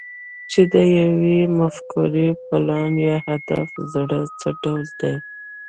چې د يوې مفکورې، پلان، يا هدف زړی څه ډول دی؟